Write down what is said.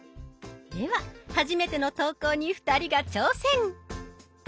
では初めての投稿に２人が挑戦。